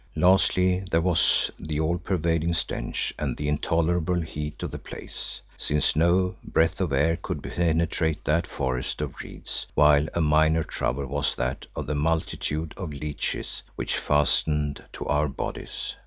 Lastly there was the all pervading stench and the intolerable heat of the place, since no breath of air could penetrate that forest of reeds, while a minor trouble was that of the multitude of leeches which fastened on to our bodies.